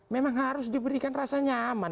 memang harus diberikan rasa nyaman